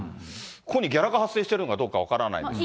ここにギャラが発生してるのかどうか分からないですけど。